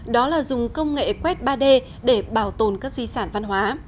đó là dùng công nghệ quét ba d để bảo tồn các di sản văn hóa